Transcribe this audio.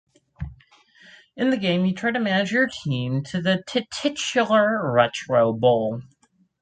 In the game you try to manage your team to the titular Retro Bowl.